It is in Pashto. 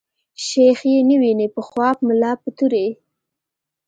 شيخ ئې نه ويني په خواب ملا په توري